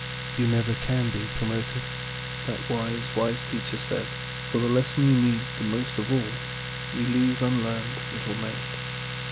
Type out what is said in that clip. "You never can be promoted," That wise, wise teacher said, "For the lesson you need the most of all You leave unlearned, little maid."